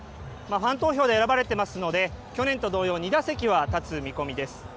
ファン投票で選ばれていますので、去年と同様、２打席は立つ見込みです。